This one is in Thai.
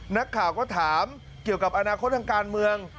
นักข่าวก็ถามเกี่ยวกับอนาคตทางการเมือง